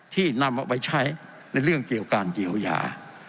ที่นำเอาไปใช้ในเรื่องเกี่ยวการเยียวยา